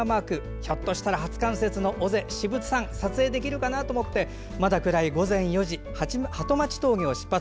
ひょっとしたら初冠雪の尾瀬・至仏山撮影できるかなと思ってまだ暗い午前４時鳩待峠を出発。